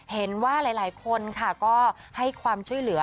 เห็นว่าหลายคนค่ะก็ให้ความช่วยเหลือ